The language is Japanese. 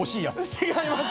違います。